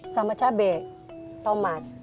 sama cabai tomat